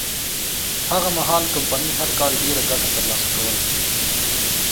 هغه مهال کمپنۍ هر کال ډېره ګټه ترلاسه کوله.